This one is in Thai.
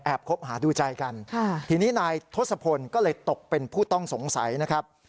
คบหาดูใจกันทีนี้นายทศพลก็เลยตกเป็นผู้ต้องสงสัยนะครับ